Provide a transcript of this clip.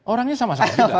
orangnya sama sama juga